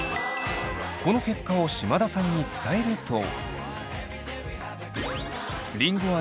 この結果を島田さんに伝えると。